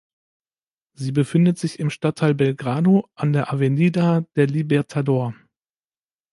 Sie befindet sich im Stadtteil Belgrano, an der Avenida del Libertador.